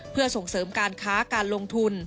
เพื่อส่งเสริมการค้าการลงทุน